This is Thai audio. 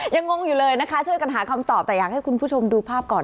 งงอยู่เลยนะคะช่วยกันหาคำตอบแต่อยากให้คุณผู้ชมดูภาพก่อน